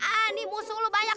ini musuh lo banyak